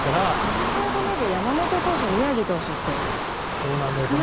２カード目で山本投手宮城投手ってなかなか。